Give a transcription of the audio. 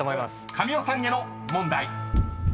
［神尾さんへの問題］